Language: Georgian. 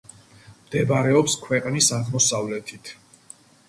მდებარეობს ქვეყნის აღმოსავლეთით.